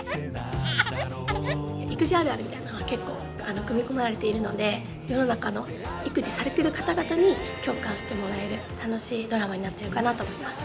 育児あるあるみたいなのが結構組み込まれているので世の中の育児されてる方々に共感してもらえる楽しいドラマになってるかなと思います。